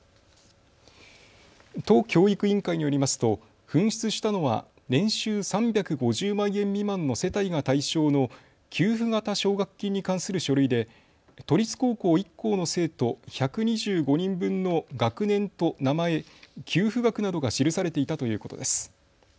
都教育委員会によりますと紛失したのは年収３５０万円未満の世帯が対象の給付型奨学金に関する書類で都立高校１校の生徒１２５人分の学年と名前、給付額などが記されていたということです。